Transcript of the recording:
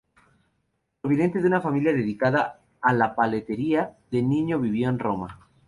Proveniente de una familia dedicada a la platería, de niño vivió en Roma.